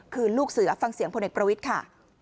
คือลูกเสือฟังเสียงพลเอกประวิทย์ค่ะ